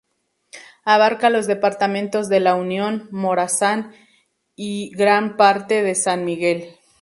Abarca los departamentos de La Unión, Morazán y gran parte de San Miguel.